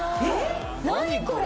何これ！